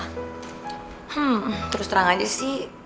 hmm terus terang aja sih